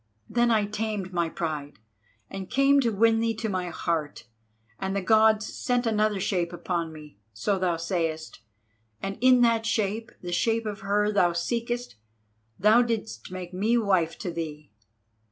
Then I tamed my pride and came to win thee to my heart, and the Gods set another shape upon me—so thou sayest—and in that shape, the shape of her thou seekest, thou didst make me wife to thee.